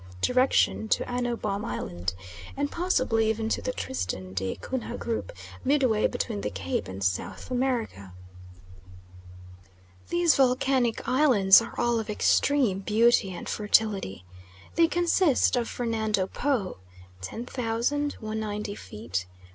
direction to Anno Bom island, and possibly even to the Tristan da Cunha group midway between the Cape and South America. These volcanic islands are all of extreme beauty and fertility. They consist of Fernando Po (10,190 ft.)